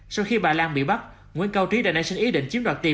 sau khi bà lan bị bắt nguyễn cao trí đã nảy sinh ý định chiếm đoạt tiền